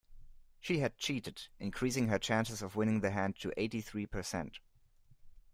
She had cheated, increasing her chances of winning the hand to eighty-three percent